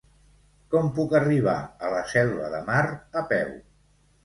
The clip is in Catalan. Com puc arribar a la Selva de Mar a peu?